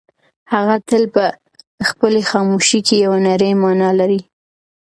هغه تل په خپلې خاموشۍ کې یوه نړۍ مانا لري.